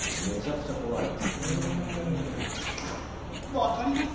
分かります！